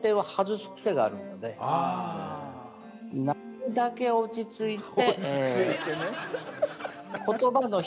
なるだけ落ち着いて。